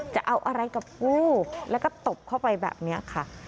จะเอาอะไรกับกูแล้วก็ตบเข้าไปแบบนี้ค่ะ